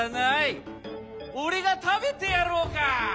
おれがたべてやろうか。